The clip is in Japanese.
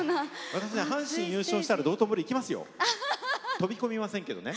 私、阪神が優勝したら道頓堀行きますよ。